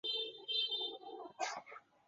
巴天酸模为蓼科酸模属下的一个种。